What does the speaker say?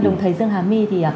đồng thầy dương hà my thì